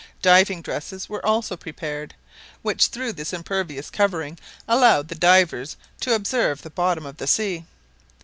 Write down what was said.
Diving dresses were also prepared, which through this impervious covering allowed the divers to observe the bottom of the sea.